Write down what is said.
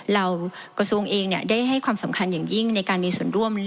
กระทรวงเองได้ให้ความสำคัญอย่างยิ่งในการมีส่วนร่วม